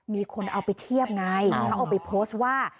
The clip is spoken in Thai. มีคนเอาเทียบไงเอาไปเพิศว่า